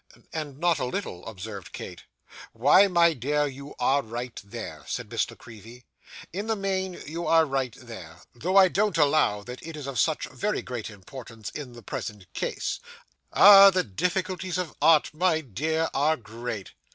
'And not a little,' observed Kate. 'Why, my dear, you are right there,' said Miss La Creevy, 'in the main you are right there; though I don't allow that it is of such very great importance in the present case. Ah! The difficulties of Art, my dear, are great.